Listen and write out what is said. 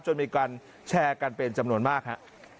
มีการแชร์กันเป็นจำนวนมากฮะ